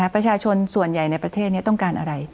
ประชาชนส่วนใหญ่ในประเทศนี้ต้องการอะไร